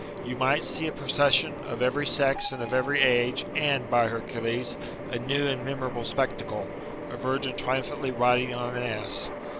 You might see a procession of every sex and of every age, and by Hercules, a new and memorable spectacle, a virgin triumphantly riding on an ass.